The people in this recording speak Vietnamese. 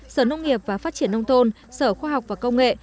sở nông nghiệp và phát triển nông thôn sở khoa học và công nghệ